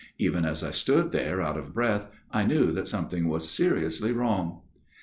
Even as I stood there out of breath, I knew that something was seriously wrong.